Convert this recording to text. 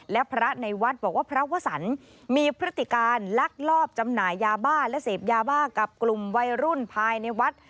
และพระในวัดบอกว่าพระวสันมีพฤติการลักลอบจำหน่ายยาบ้าและเสพยาบ้ากับกลุ่มวัยรุ่นภายในวัด